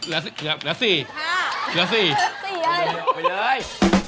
แล้ว๔แล้ว๔ไปเลย